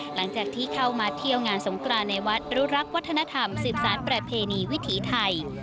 หลังจากที่เข้ามาเที่ยวงานสงคราในวัดรุรักษ์วัฒนธรรม๑๓ปริเภณีวิถีไทย